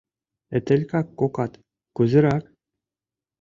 — Этелька кокат кузерак?